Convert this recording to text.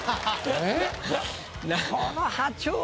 えっ？